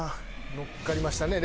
のっかりましたね。